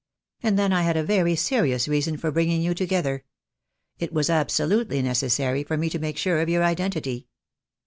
And then I had a very serious reason for bringing you together. It was ab solutely necessary for me to make sure of your identity."